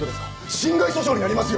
侵害訴訟になりますよ！